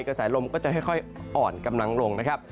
กระแสลมก็จะค่อยอ่อนกำลังลงนะครับ